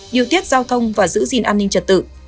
điều tiết giao thông và giữ gìn an ninh trật tự